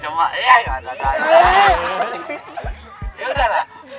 tenang semua tenang